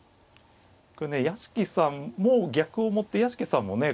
これね屋敷さんも逆をもって屋敷さんもね